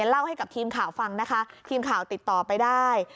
เล่าให้กับทีมข่าวฟังนะคะทีมข่าวติดต่อไปได้